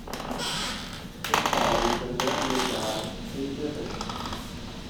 Portava l'impermeabile chiaro e il berretto.